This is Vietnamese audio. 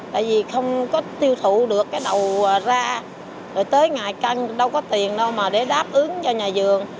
tại vì không có tiêu thụ được cái đầu ra rồi tới ngày căn đâu có tiền đâu mà để đáp ứng cho nhà vườn